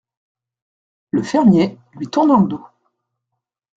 Le fermier , lui tournant le dos.